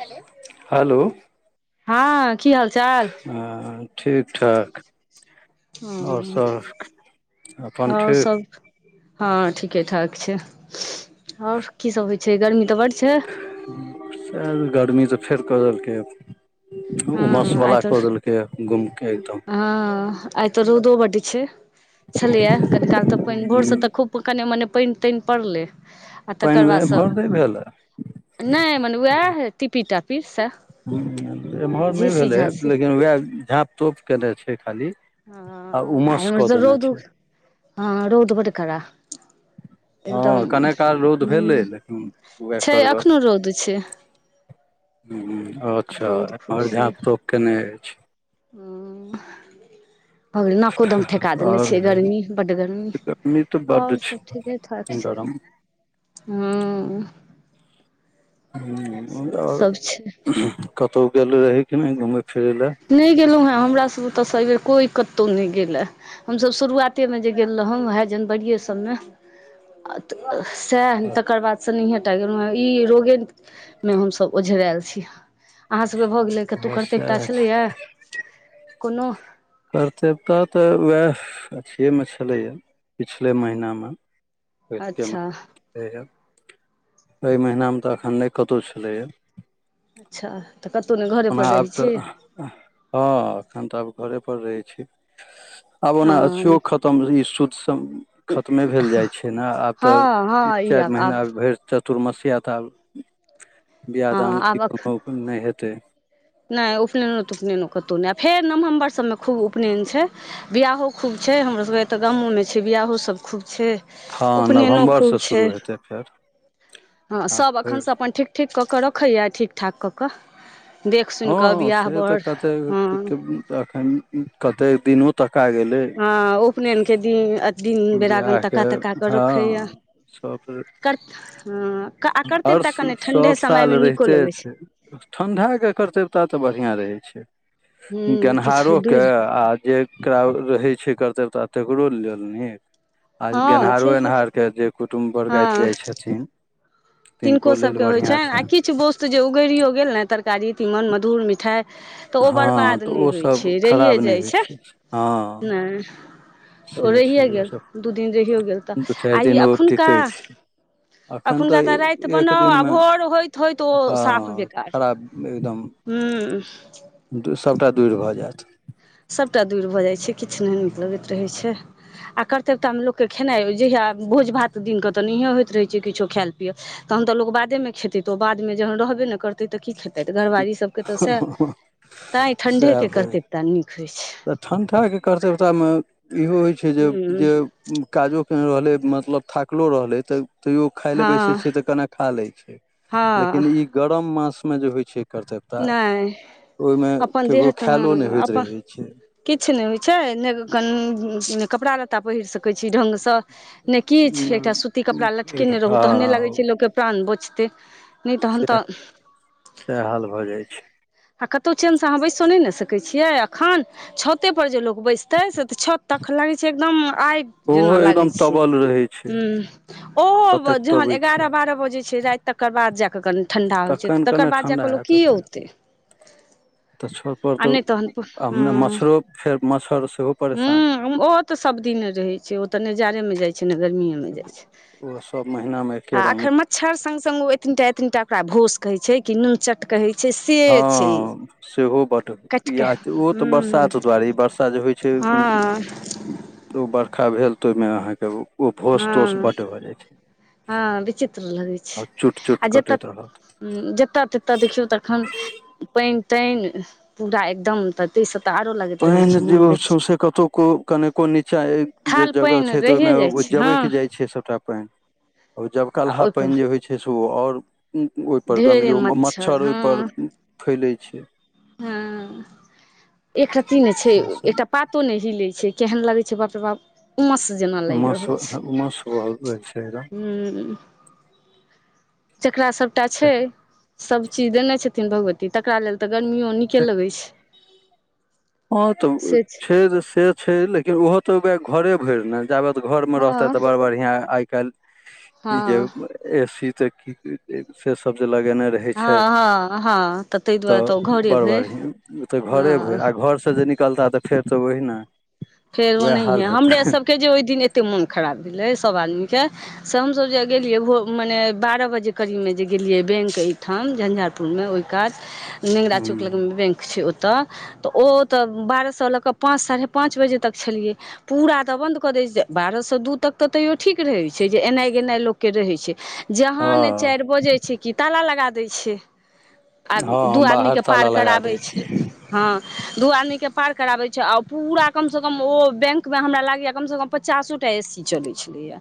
Hello hello हँ की हाल चाल हँ ठीक ठाक और हँ सभ अपन आओर ठीक सब हँ ठीकेठाक छै और की सब होइ छै गरमी तऽ बड़ छै गर्मी तऽ फेर कऽ देलकै हँ उमस वला कऽ देलकै के घुमके एतौ ह आइ ते रौदो बड्ड छै छलैया कनी काल तऽ पानि हम्म, भोरसे तऽ खूब कनि मने पानि तानि पड़लै आ पानि तकर वएह बाद से एम्हर नहि भेलै नहि मने उएह टीपी टापी सयह ह एम्हर नहि भेलै लेकिन उएह झाँप तोप कयने छै खाली ह आ आइ उमस ईमहर कऽ त देने रौद छै हँ रौद बड़ करा हँ कने काल रौद भेलै लेकिन उह छै कर गर एखनो रौद छै अच्छा रौद और झाप तोप केने अछि हूं नाकोदम ठेका देने आओर छै गर्मी बड्ड गर्मी तऽ बड्ड आऔर सब छै ठीके ठाक छै [inaudible] हं हम्म, आओर सब छै कतहु गेल रहय कि नहि घुमै फिरय लए नहि गेलहुँ हे हमरासभ ओतय से ऐबेेर कोइ कौतौ नहि गेलए हमसभ शुरुआते मे जे गेल रहौ उएह जनवरिए सभमे तऽ सएह तकर बादसँ नहिये टा गेलहुँँ ई रोगे मे हमसभ ओझराल छी अहाँ सबके भऽ गेले के तू करते समस्या अछि कोनो कर्तव्यता तऽ उएह अथएमे छलैया पिछले महिनामे पहिलके अच्छा एहि महिनामे त एखन नहि कतहु छलैए अच्छा तऽ कतौ नहि घरे ओना पर आब रहैत तऽ छी हँ एखन तऽ आब घोरे पर रहै छी आब ओना आछियो हँ खतम रह ई शुद्ध सब खतमे भेल जाइ छै ने आब हँ तऽ हँ तीन ई चार आब महीना आब भरि चतुर्मस्या तऽ आब बिआह हँ दानके आब कोनो नहि हेतै नहि उपनयनो तुपनयनो कतहुँ नहि आ फेर नवम्बर सभमे खूब उपनयन छै बिआहो खूब छै हमरासके एतऽ गामोमे छै बिआहोसभ खूब छै हँ उपनयनो खूब नवम्बरसँ छै शुरू हेतै फेर हँ आब सभ एखन फेर से अपन ठीक ठीक कऽ कऽ रखैए ठीक ठाक कऽ कऽ देख सुनि कऽ हँ बियाह से तऽ बर कते हँ अखन कते दिनो तक आ गेले हं उपनायनके दिन अथी बेरागन बियाह के तका तका क रखैया हँ सब हँ आ करतै हर टा कनि ठण्ढे सभ साल समयमे नीको रहिते लगै छै ठण्ढाके कर्तव्यता तऽ बढ़िआँ रहै छै हूँ किछु गेनहारो दूरि के आ जे एकरा रहै छै कर्तव्य तऽ आ तकरो लेल नीक आ हँ गेनहारो छै एन्हारके जे कुटुम्ब बरगति जाइ छथिन तनको तिनको लेल सबके होइ बढ़िया छनि आ किछु वो्त जे उगरियो गेल ने तरकारी तीमन मधुर मिठाई तऽ ओ हँ बरबाद तऽ नहि ओ होइ सब छै खराब रहिए नहि जाइ होइ छै हँ नहि तऽ ओ से छै रहिए जे ओ गेल सब दू दिन रहिओ गेल तऽ दू चारि आ ई दिन ओ एखुनका टिकै छै एखन तऽ एखुनका तऽ राति एक बनाउ आ दिनमे भोर होइत होइत ओ साफ हँ बेकार खराब एकदम हुँ सभटा दूईर भऽ जायत सभटा दूरि भऽ जाइत छै किछु नहि नीक लगैत रहै छै आ कर्तव्यतामे लोककेँ खेनाइ जहिया भोज भात दिनकेऽ तऽ नहिए होइत रहैत छै किछो खायल पियल तहन तऽ लोक बादेमे खेतै तऽ ओ बादमे जहन रहबे ने करतैय देते तऽ की खेते घरवारी सब के तऽ सह तां ठंडे सएह के होइ करते टा नीक होइ छै तऽ ठण्डाके कर्त्यतामे इहो होइ छै जे हूँ जे काजो के रहलै मतलब थाकलो रहलै तऽ तैयो खाय ले बैसे हँ छिय तऽ कने खा ले छै हँ लेकिन ई गरम मास में जे होइ छै कर्तव्यता नहि ओहिमे अपन देह केकरो तऽ खायालो नहि होइत अपन रहै छै किछु ने होइ छै ने क कपड़ा लत्ता पहिर सकैत छी ढंग से ने किछु हँ एकटा सूती कपड़ा लटकेने रहू तहने लगै छै लोकके प्राण बचतै नहि तहन तऽ सेएह हाल भए जाइ छै आ कतौ चेन से अहाँ बैसो नहि ने सकैत छीयै अखन छते पर जे लो बैस त से तऽ छत त एखन लागै छै एकदम आगि ओहो जेना लागै एकदम छै तबल रहै छै हुँ ततेक ओहो जहन तबै छै एगारह बारह बजे छै राति तकर बाद जा कऽ कनि ठण्डा होइ छै तखन त कने तकर बाद जा ठण्डा क लोक हैत कि ओतऽ औतै तऽ छत पर आ तऽ नहि तहन हमरा मच्छरो फेर मच्छर सेहो परेशान हँ हूँ ओहो तऽ सभदिने रहै छै ओ तऽ ने जाड़ेमे जाइ छै ने गर्मीएमे जाइ छै ओहो सभ महिनामे एके रङ्ग छड़ सन सन ओ एतनिटा एतनिटा ओकरा भोंस कहै छै कि नूनचटा कहै छै से छै हँ सेहो बड्ड काटि कऽ इए ओ तऽ हूँ बरसात दुआरे बर्षा जे होइ छै हँ ओ बरखा भेल तऽ ओहिमे अहाँके ओ भोस तोस हँ बड भए जाय छै हँ विचित्र लगै आ छै चुट आ चुट जतऽ कटैत रहत जतऽ ततऽ देखियौ तखन पानि तानि पूरा एकदम ता ई सब तऽ आरो लगैत रहे छै मोन बेच कतहुक कनिको नीचाँ जे थाल जगह पानि छै तऽ रहिए ओहिमे जाइ ओ छै हँ जबैके जाइ छै सभटा पानि आ जबकलहा पानि जे होइ छै से ओ आओर ओहिपर ढेरे गन्दगी ओ मच्छर हँ ओहिपर फैलैय छै हँ एकटा तीने छै से सब एकटा पात पतो नहि हिलै छै केहन लगै छै बाप रे बाप उमस जेना लागि रहल मासु मासु छै होइ छै एकदम हुँ जेकरा सभटा छै सभ चीज देने छथिन भगवती तकरा लेल तऽ गर्मियो नीके लगै छै ह तऽ छै से छै लेकिन ओहो तऽ घरे भरि ने जाबत घर मे रहते हँ तऽ बड़ बढ़िया आइ काल्हि ई जे हँ एसी ते की से सब जे लगेने रहे रहै छथि हँ हँ हँ तऽ ताहि त दुआरे तऽ ओ घरे बड्ड भेल बढियां ओत घरे भरि हँ आ घर से जे निकलता तऽ फेर त वहिंना फेर ओनाहिये हमरे सभके जे ओहि दिन एतेक मोन खराब भेलै सभ आदमीके से हमसभ जे गेलियै भो मने बारह बजे करीबमे जे गेलियै बैंक एहिठाम झंझारपुरमे ओहि कात [unintelligible] नेगरा चौक लग हँ बैंक छै ओतए तऽ ओतऽ बारह सए लऽ केऽ पांच साढ़े पांच बजे तक छलियै पूरा तऽ बन्द कऽ दै छै बारहसँ दू तकके तैओ ठीक रहै छै जे एनाइ गेनाइ लोककेँ रहै छै जहाँ न हँ चारि बजै छै कि ताला लगा दै छै आ दू हम आदमी बाहर के ताला पार लगा कराबै दै छियै छै हँ, दू आदमी केँ पार कराबै छै आ पूरा काम। कम सँ कम ओ बैंक मे हमरा लागैया कम सँ कम पचासो टा ए सी चलैत छलैया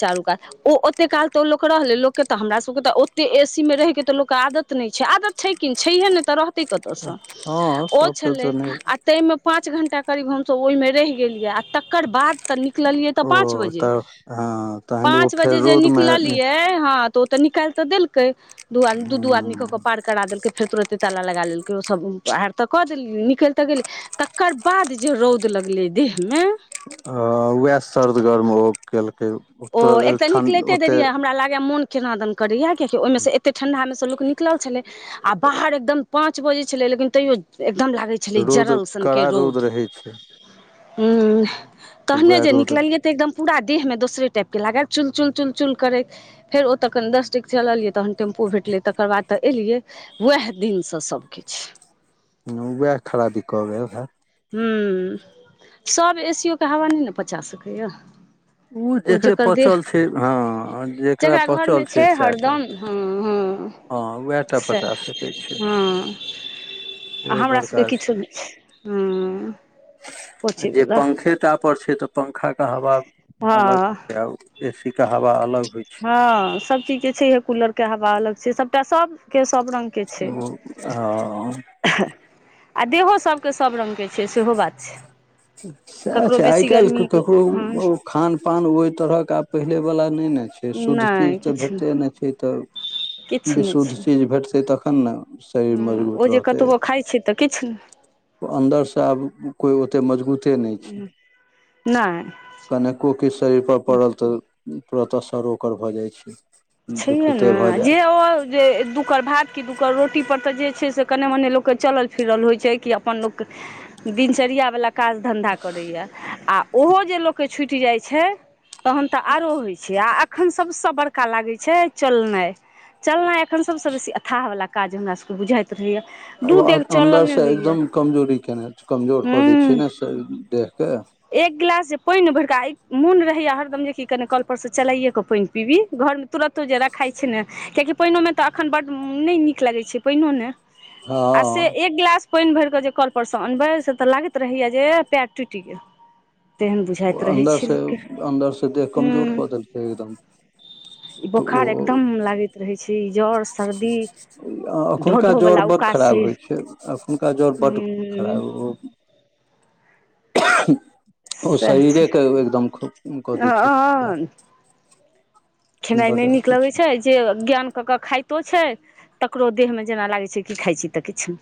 चारू कात। ओ ओतेक काल तऽ ओतेक लोक रहलै, लोकके तऽ हमरा सभके तऽ ओतेक ए सी मे रहिके तऽ लोकके आदत नहि छै आदत। कि छैह नहि तऽ रहतै कतहु सँ हँ ओ सबके छलै तऽ नहि आ ताहिमे पाँच घण्टा करीब हमसभ ओहिमे रहि गेलियै आ तकर बाद। निकलिए तऽ ओ पाँच बजे, तऽ हँ तहन ओ पाँच फेर बजे जे रौदमे निकलियै हँ। तऽ निकालि तऽ देलकै, दू दू आदमी कऽ केँ पार करा देलकै, फेर तुरंते ताला लगा लेलकै। के सबर तऽ कऽ देलकै, निकलि तऽ गेलियै, तकर बाद जे रौ। लगले देह मे आ उएह सर्द गर्म ओ केलकै। ओ एक तुरत तऽ ठण्ड निकलैते देरी, ओतेक हमरा लागैय मोन केना दन करैय, कियकै ओहि मे सँ एतेक ठंडा मे सँ लोक नीक छल आ बाहर एकदम पाँच बजे छलै, लेकिन तैयो एकदम लाग रौद जलाल सनके कड़ा रौद रहै छै हौ, तऽ तहने उएह जे रौद निकलियै। एकदम पूरा देह मे दोसरे टाइप के लागै, चुन चुन चुन चुन करै। फेर ओतऽ कनि दस टा चललियै तहन टेम्पू भेटलै, तकर बाद तऽ एलियै। उएह दिनसँ सभकिछु उएह खराबी भऽ गेल। हमसभ ए सी ओ के हवा नहि ने पचा सकैछी। ओ जकरा पचल छै, हँ जकरा पचल छै सएहटा। हँ हूँ सेह पचा सकै छै हँ आ से हमरा सभके बड़का किछो नहि छै। हँ [inaudible] जे पोछयवला पंखे टा पर छै, तऽ पंखा के हवा हँ अलग। ए सी के हवा अलग होइ छै। हँ सभ चीज के छै इहे कूलर के हवा अलग छै। सबटा सब के सभ रंग के ओ आ आ देह सभ केँ सब रङ्ग के छै, सेहो बात छै से ककरो छै आइ बेसी काल्हि गर्मीके हँ तऽ। खानपान ओहि तरहक आब पहिले वाला नहि ने छै। शुद्ध चीज नहि तऽ किछु भेटतै नहि छै, तऽ किछु विशुद्ध चीज भेटतै तखन ने। शरीर हँ, मजबूत ओ जे कतबो खाइ छै तऽ किछु नहि। अन्दर सँ आब कियो ओतेक मजबूते नहि छै। नहि कनको किछु शरीर पर पड़ल, तऽ तुरन्त ओकर असर भऽ जाइ छै। छै दुखिते ने भऽ जे जायत ओ जे दू कर भात कि दू क रोटी पर तऽ जे छै से कनि मने लोक केँ चलल फिरल होइ छै, कि अपन लोक दिनचर्या वला काज धंधा करै छै, आ ओहु सँ जे लोक केँ छुटि जाइ छै, तखन तऽ आरो होइ छै। आ अखन सब सँ बड़का लागै छै चलनाइ, चलनाइ अखन सब सँ बेसी अथाह वाला। काज हमरा सभ बुझाइ। तऽ ठए आब अन्दर सँ एकदम कमजोरी कऽ कऽ कमजोर कऽ दै हूँ छै ने देह केँ एक गिलास जे पानि भरि कऽ मोन रहै छै हरदम, जे की कनि कल पर सँ चलाइये कऽ पानि पीबी घर मे। तुरत जे रखाइ छै न, किएकि पानि ओमे तऽ एखन बड्ड नहि नीक लागै छै, पाइनो नहि। हँ आ से एक गिलास। पानि भरि कऽ जे कल पर सँ अनबै छै, से तऽ लागैत रहै छै जे पैर टूटि गेल तेहन ओ बुझाइत रहै अन्दर छै से लोकके अन्दर से देह कमजोर हूँ कऽ देलकै एकदम। ई तऽ बोखार ओ एकदम लागैत रहै छै। ई जर सर्दी। ढो एखुनका ढो जर वला बड्ड उकासी खराब होइ छै। एखुनका जर बड्ड हूँ खराब ओ ओ सएह छै शरीरेके एकदम खत्म कऽ दै छैय। हँ खेनाइ नहि नीक लगै छै। जे ज्ञान कऽ कऽ खाइतो छै तकरो देहमे जेना लागै छै कि खाइत छी तऽ किछु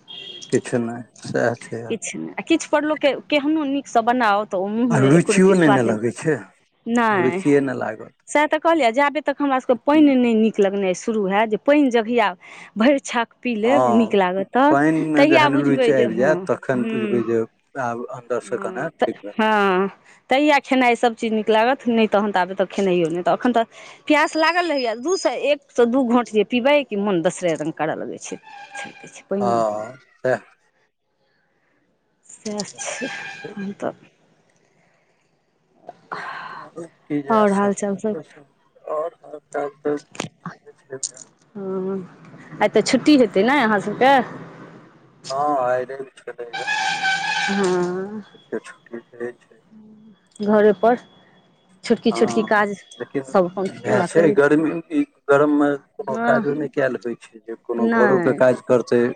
किछु नहि सएह छै आ किछ नहि किछु पर लोकके केहनो नीकसँ बनाओ तऽ ओ मुंह मे एको रुचियो रती नहि ने स्वादे लगै छै नैय रुचिए नहि लागत सैह तऽ कहलियै जाबे तक हमरा सबके पानि नहि नीक लगनाय शुरू हायत जे पानि जहिया भरि छा पी लेब हँ नीक लागत तऽ पानिमे तहिया जहन बुझबै रुचि जे आबि हँ जायत तखन हू बुझबै जे आब अन्दरसँ हं कने ठीक तऽ भेल हँ तहिया खेनाइ सभचीज नीक लागत नहि तहन तऽ आबे तऽ खेनाइो नहि तऽ एखन तऽ प्यास लागल रहैए दू सँ एक सँ दू घोंट जे पीबै कि मोन दोसरे रंग करय लगै छै [unintelligible] हां [unintelligible] आओर हाल चाल सभ [unintelligible] [inaudible] ह आइ तऽ छुट्टी हेतै न अहाँ सभके हँ आइ लैब छलै हँ य छुट्टी रहे छै घरे पर हँ लेकिन सभ अपन इएह पूरा छै करैत गर्मी गरममे कोनो हँ काजो नहि कयल होइ छै जे कोनो घरोके नहि काज करतै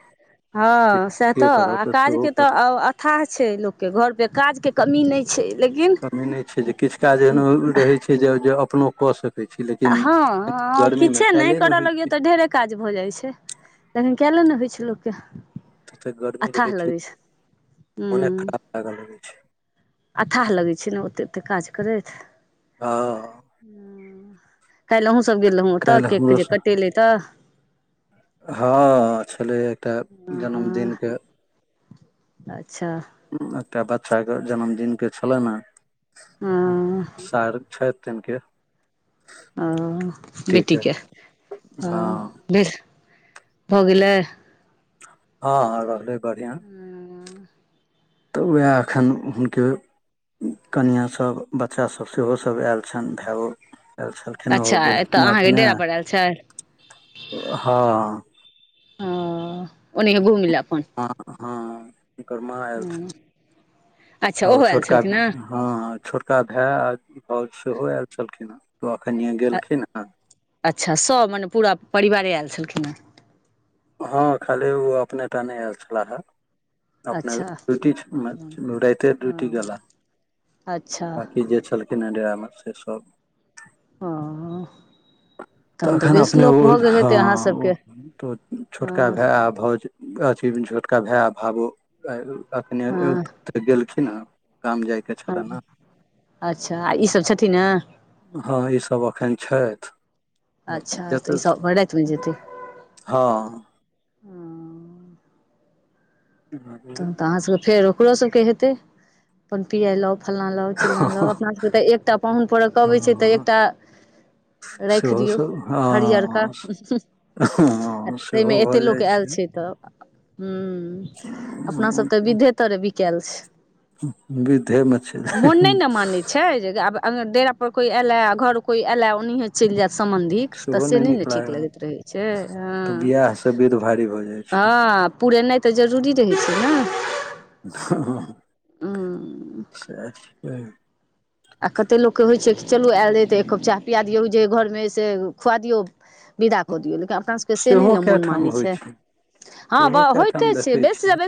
हँ सएह तऽ के करत आ काज सेहो के तऽ अथाह छै लोकके घर पे काज के कमी नैय छैय कमी नहि छै जे किछु काज एना रहै छै जे जे अपनो कऽ सकै छी लेकिन हँ गर्मीमे किछे नहि कयले करऽ होइ लगियौ छै तऽ ढेर काज भऽ जाइ छै तहन कएले ने होइ छै लोकके तते गर्मी रहै अथाह लगै छै हूं आगा लगै छैय अथाह लगै छै न ओते ओते काज करैथ हँ काल्हि अहुं सब गेल रहु ओतऽ काल्हि केक हमरो जे सँ कटेले तऽ हँ छलै एकटा हँ जन्मदिनके अच्छा एकटा बच्चा के जन्मदिन के छलैन हँ हँ सार छैथ जनके ओ टीके बेटीके ओ हँ बीस भऽ गेलै हँ हँ रहलै बढ़िआं तऽ उएह एखन हुनके कनिआँ सब बच्चासभ सेहो सभ आयल छनि भायो आयल छल एना हो अच्छा एतऽ गेलखिन हँ अहाँके एखने डेरा पर आयल छै हँ ह ओने क [unintelligible] मिल अपन हँ हुनकर माँ आयल ह छल अच्छा आ ओ ओहो आयल छोटका छलखिन ह हँ छोटका भाय भाउज सेहो आयल छलखिन हे त अखनए गेलखिन हँ अच्छा सभ मने पूरा परिवारे आयल छलखिन हेँ हँ खाली ओ अपने टा नहि आयल छलाहे अपना अच्छा ड्यूटी छै राईते ड्यूटी हँ गेला अच्छा बाँकी जे छलखिन डेरामे से सभ ओ तहन तऽ तऽखन बेस अपने ओ लोक भऽ गेल हेतै अहाँ सभके हँ छोटका हँ भैअ आ भाउज अथी छोटका भैअ आ भावो अखने हँ त गेलखिन न काम जाय ह अच्छा आ इ सभ छथिने हँ इसभ एखन छथि अच्छा तऽ ई जतऽ सब अपन राईते जेेत हँ तहन तऽ अहाँ सभके फेर ओकरो सबके हेतै पनपी आइलव [unintelligible] फल्लाँ लाव चिल्लाँ लाव अपना सभके तऽ एकटा पाहुन परक अबैत छै तऽ हँ एकटा राखि सेहो दियौ सब हरियरका हँ आ हँ ताहिमे सेहो एतेक भऽ लोक जाइ आयल छै तऽ हूँ अपना सब तऽ विधे तरे बिकेल छी बिधे मे छै [unintelligible] मानै छै जदि आब अनी डेरा पर कोइ एल ए ख घरो कोइ एल ए ओनाहिये चलि जायत सम्बन्धिक तऽ सेहो से नहि ने नीक ठीक लागल लगैत रहै छै तऽ हँ बियाह से विध भारी भऽ जाइ छै हँ आ पुरेनाइ तऽ जरूरी रहै छै ने हूँ सेह छै आ कतेक लोककेँ होइ छै कि चलू आयल हय तऽ एक कप चाह पिया दियौ जहि घरमे हय से खुआ दियौ विदा कऽ दियौ लेकिन अपना सबके से नहि सेहो ने कए मोन ठाम मानै होइ छै हँ सेहो बाह कए ठाम होइते छै देखै छियै बेसी सँ बेसी